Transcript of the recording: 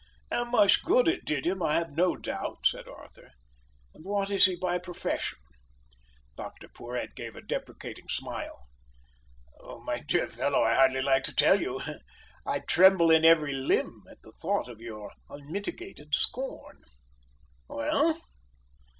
"And much good it did him, I have no doubt," said Arthur. "And what is he by profession?" Dr Porhoët gave a deprecating smile. "My dear fellow, I hardly like to tell you. I tremble in every limb at the thought of your unmitigated scorn." "Well?"